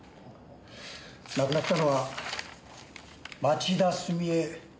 亡くなったのは町田純江